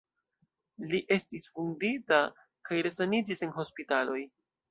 Li estis vundita kaj resaniĝis en hospitaloj.